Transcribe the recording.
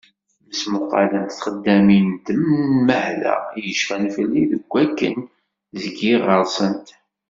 Mesmuqalent txeddamin n tenmehla i yecfan fell-i seg wakken zgiɣ ɣer-sent.